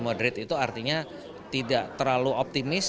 moderate itu artinya tidak terlalu optimis